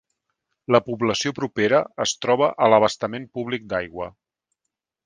La població propera es troba a l'abastament públic d'aigua.